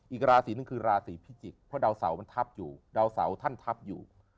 อีกราศีหนึ่งคือราศีพิจิกษ์เพราะดาวเสามันทับอยู่ดาวเสาท่านทับอยู่